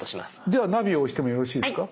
ではナビを押してもよろしいですか？